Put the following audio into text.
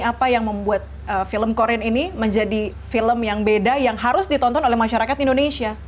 apa yang membuat film korean ini menjadi film yang beda yang harus ditonton oleh masyarakat indonesia